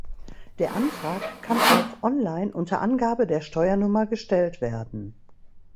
Der Antrag kann auch online unter Angabe der Steuernummer gestellt werden.